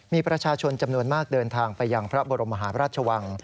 มีประชาชนจำนวนมากเดินทางไปยังพระบรมหาพระราชวัง